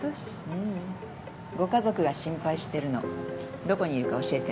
ううんご家族が心配してるのどこにいるか教えて。